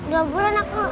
dua bulan aku keluar ke